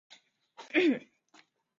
其中一些部分以补丁的形式提供。